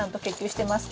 してます？